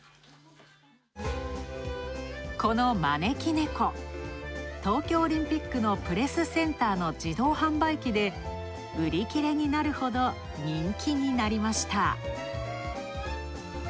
この招き猫、東京オリンピックのプレスセンターの自動販売機で売り切れになるほど人気になりました。